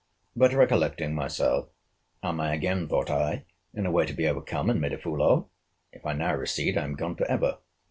But, recollecting myself, am I again, thought I, in a way to be overcome, and made a fool of!—If I now recede, I am gone for ever.